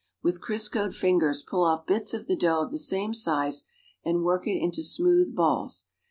With Criscoed fingers pull off bits of the dough of the same size and work it into smooth balls.